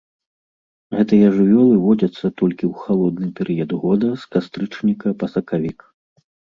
Гэтыя жывёлы водзяцца толькі ў халодны перыяд года з кастрычніка па сакавік.